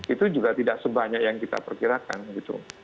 itu juga tidak sebanyak yang kita perkirakan gitu